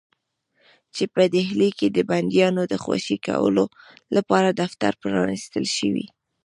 چې په ډهلي کې د بندیانو د خوشي کولو لپاره دفتر پرانیستل شوی.